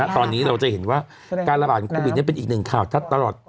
ตอนนี้เราจะเห็นว่าการระบาดของโควิดเป็นอีกหนึ่งข่าวทัศน์ตลอด